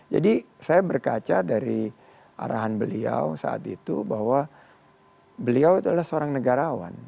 jadi saya berkaca dari arahan beliau saat itu bahwa beliau itu adalah seorang negarawan